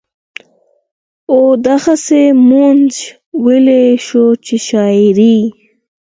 او دغسې مونږ وئيلے شو چې شاعري